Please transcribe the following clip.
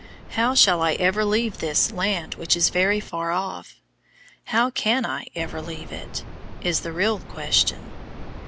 How shall I ever leave this "land which is very far off"? How CAN I ever leave it? is the real question.